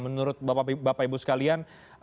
menurut bapak ibu sekalian